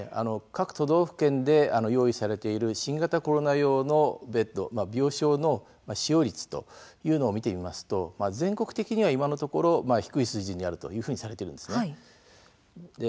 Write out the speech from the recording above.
各都道府県で用意されている新型コロナ用のベッド、病床の使用率というのを見てみますと、全国的には今のところ低い数字にあるというふうにされてるんですね。